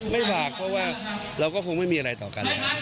ไม่บากเพราะว่าเราก็คงไม่มีอะไรต่อกัน